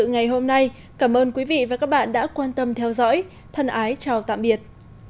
ngày hôm nay cảm ơn quý vị và các bạn đã quan tâm theo dõi thân ái chào tạm biệt